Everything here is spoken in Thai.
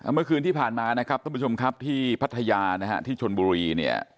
เมื่อคืนที่ผ่านมานะครับท่านผู้ชมครับที่พัทยานะฮะที่ชนบุรีเนี่ย